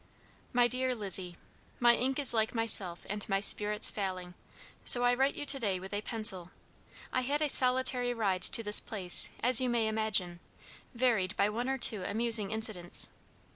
"My DEAR LIZZIE: My ink is like myself and my spirits failing, so I write you to day with a pencil. I had a solitary ride to this place, as you may imagine, varied by one or two amusing incidents.